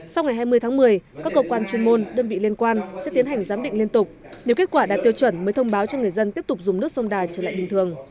sau ngày hai mươi tháng một mươi các cơ quan chuyên môn đơn vị liên quan sẽ tiến hành giám định liên tục nếu kết quả đạt tiêu chuẩn mới thông báo cho người dân tiếp tục dùng nước sông đà trở lại bình thường